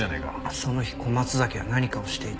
その日小松崎は何かをしていた。